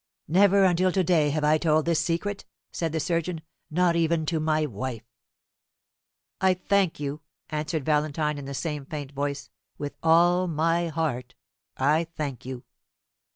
"Never until to day have I told this secret," said the surgeon; "not even to my wife." "I thank you," answered Valentine, in the same faint voice; "with all my heart, I thank you."